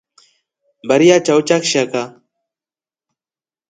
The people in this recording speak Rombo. Mbari ya chao cha kshaka.